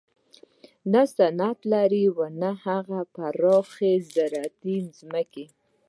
نه صنعت لري او نه پراخې زراعتي ځمکې.